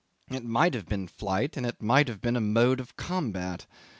It might have been flight and it might have been a mode of combat.